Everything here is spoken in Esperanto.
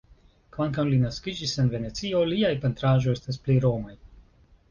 Kvankam li naskiĝis en Venecio, liaj pentraĵoj estas pli romaj.